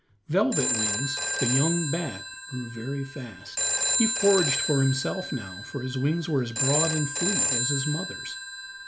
Velvet Wings, the young bat, grew very fast. He foraged for himself now, for his wings were as broad and fleet as his mother's.